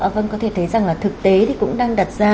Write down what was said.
vâng có thể thấy rằng là thực tế thì cũng đang đặt ra